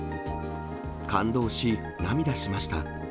感動し、涙しました。